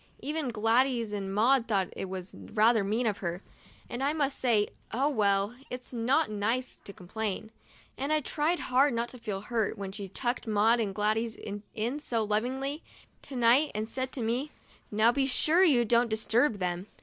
Even Gladys and Maud thought it was rather mean of her, and I must say — oh, well, it's not nice to complain, and I tried hard not to feel hurt when she tucked Maud and Gladys in so lovingly to night and said to me, " Now be sure you don't dis turb them."